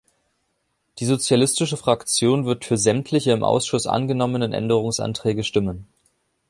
Die Sozialistische Fraktion wird für sämtliche im Ausschuss angenommenen Änderungsanträge stimmen.